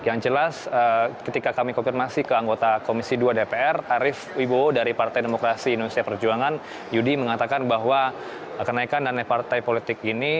yang jelas ketika kami konfirmasi ke anggota komisi dua dpr arief wibowo dari partai demokrasi indonesia perjuangan yudi mengatakan bahwa kenaikan dana partai politik ini